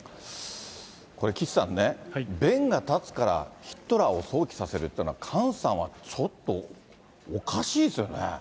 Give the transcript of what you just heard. これ、岸さんね、弁が立つからヒットラーを想起させるっていうのは、菅さんはちょっとおかしいですよね。